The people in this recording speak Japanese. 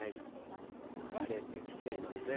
晴れてきていますね。